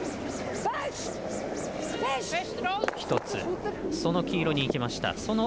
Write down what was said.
１つ、その黄色にいきました。